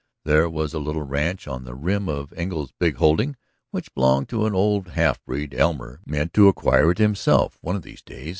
There was a little ranch on the rim of Engle's big holding which belonged to an old half breed; Elmer meant to acquire it himself one of these days.